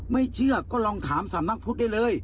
ไม่เชื่อก็ลองถามสำนักพุทธได้เลย